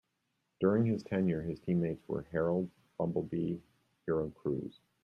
During his tenure his teammates were Herald, Bumblebee, Hero Cruz.